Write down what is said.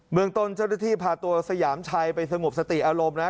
เมืองต้นเจ้าหน้าที่พาตัวสยามชัยไปสงบสติอารมณ์นะ